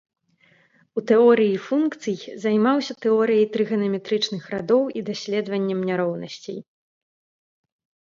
У тэорыі функцый займаўся тэорыяй трыганаметрычных радоў і даследаваннем няроўнасцей.